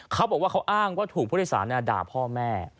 เขาบอกว่าเขาอ้างว่าถูกผู้โดยสารด่าพ่อแม่